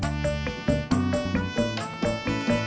jalannya cepat amat